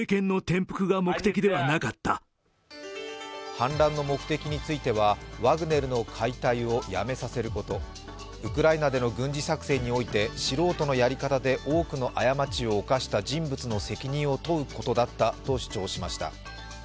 反乱の目的についてはワグネルの解体をやめさせること、ウクライナでの軍事作戦において素人のやり方で多くの過ちを犯した人物の責任を問うことだったと主張しました。